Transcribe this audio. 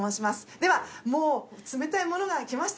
ではもう冷たいものが来ました。